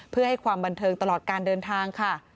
เพื่อให้ความบันเทิงตลอดการเดินทางค่ะ